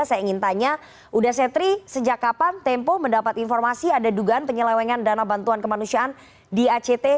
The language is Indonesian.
saya ingin tanya uda setri sejak kapan tempo mendapat informasi ada dugaan penyelewengan dana bantuan kemanusiaan di act